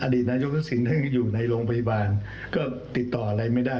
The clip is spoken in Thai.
ดีตนายกทักษิณท่านอยู่ในโรงพยาบาลก็ติดต่ออะไรไม่ได้